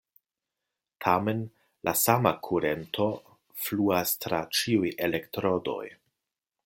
Tamen, la sama kurento fluas tra ĉiuj elektrodoj.